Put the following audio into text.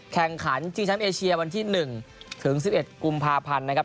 แข่งขันชิงแชมป์เอเชียวันที่๑ถึง๑๑กุมภาพันธ์นะครับ